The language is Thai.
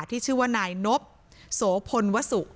ที่ชื่อว่านายนบโสพลวสุ